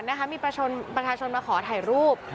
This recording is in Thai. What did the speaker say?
นะคะมีประชาชนมาขอถ่ายรูป